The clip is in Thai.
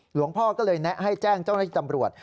หลวงพ่อก็เลยแนะให้แจ้งเจ้าหน้าที่ตำรวจ